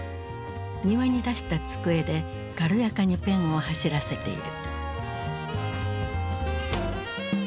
庭に出した机で軽やかにペンを走らせている。